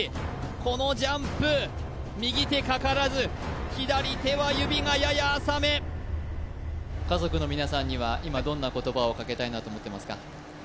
このジャンプ右手かからず左手は指がやや浅め家族の皆さんには今どんな言葉をかけたいなと思ってますか？